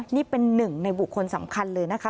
นี่เป็นหนึ่งในบุคคลสำคัญเลยนะคะ